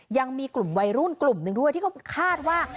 ยังมีกลุ่มวัยรุ่นกลุ่มหนึ่งด้วยที่เขาคาดว่า